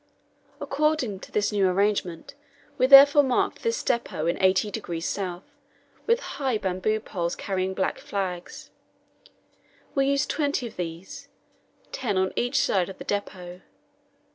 According to this new arrangement we therefore marked this depot in 80° S. with high bamboo poles carrying black flags. We used twenty of these ten on each side of the depot.